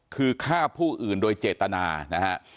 คือฆ่าผู้อื่นโดยเจตนานะฮะ